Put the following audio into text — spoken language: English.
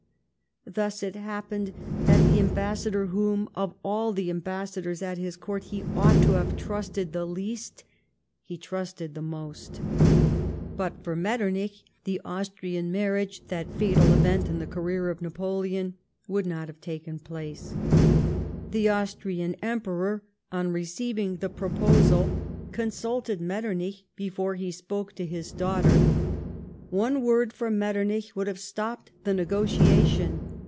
Thus it happened that the ambassador whom of all the ambassadors at his Court he ought to have trusted the least, he trusted the most. But for Metternich, the Austrian marriage — that fatal event in the career of Naj)oleon — would not have taken place. The iVustrian Em})eror, on receiving the ])roposal, consulted Meiternich before he s])oke to his daughter. CONCLUSION. 195 One word from Metternich would have stopped the negotiation.